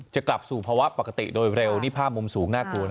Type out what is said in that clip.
จะกลับสู่ภาวะปกติโดยเร็วนี่ภาพมุมสูงน่ากลัวนะ